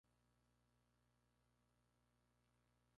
En cualquier caso, los vinos producidos son casi todos secos.